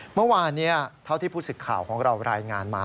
เมื่อวานเท่าที่ผู้สึกข่าวของเรารายงานมา